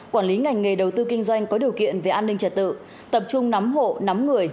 quản lý ngành nghề đầu tư kinh doanh có điều kiện về an ninh trật tự tập trung nắm hộ nắm người